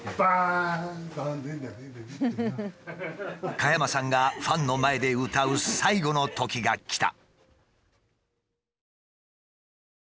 加山さんがファンの前で歌う最後の時が来た。